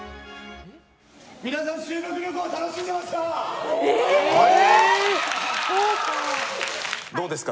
皆さん、修学旅行楽しんでますか！